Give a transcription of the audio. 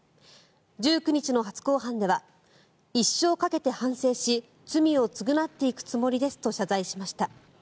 １９日の初公判では一生かけて反省し罪を償っていくつもりですと謝罪しました。